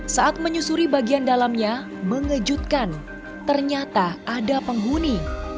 saat menyusuri bagian dalamnya mengejutkan ternyata ada penghuni